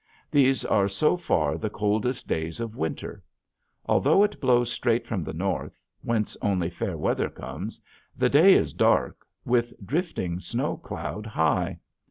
These are so far the coldest days of winter. Although it blows straight from the north, whence only fair weather comes, the day is dark with drifting snow cloud high.